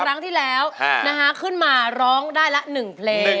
ครั้งที่แล้วขึ้นมาร้องได้ละ๑เพลง